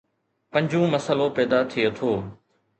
پنجون مسئلو پيدا ٿئي ٿو